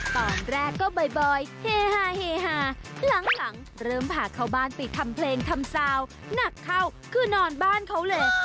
ตอนแรกก็บ่อยเฮฮาเฮฮาหลังเริ่มพาเข้าบ้านไปทำเพลงทำซาวหนักเข้าคือนอนบ้านเขาเลย